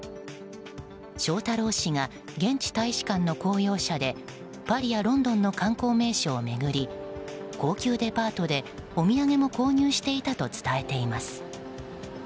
翔太郎氏が現地大使館の公用車でパリやロンドンの観光名所を巡り高級デパートで、お土産も購入していたと伝えています。